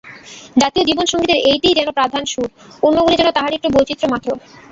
জাতীয় জীবন-সঙ্গীতের এইটিই যেন প্রধান সুর, অন্যগুলি যেন তাহারই একটু বৈচিত্র্য মাত্র।